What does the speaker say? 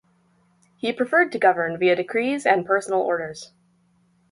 He preferred to govern via decrees and personal orders.